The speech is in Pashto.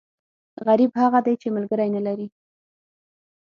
غریب هغه دی، چې ملکری نه لري.